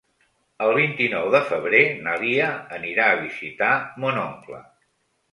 El vint-i-nou de febrer na Lia anirà a visitar mon oncle.